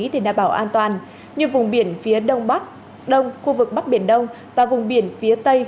để đảm bảo an toàn như vùng biển phía đông bắc đông khu vực bắc biển đông và vùng biển phía tây